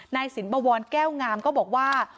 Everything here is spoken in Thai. นายสินบวรแก้วงามก็บอกว่า